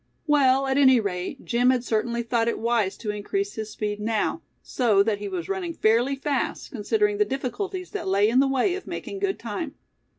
Well, at any rate, Jim had certainly thought it wise to increase his speed now, so that he was running fairly fast, considering the difficulties that lay in the way of making good time.